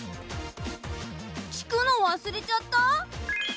聴くの忘れちゃった？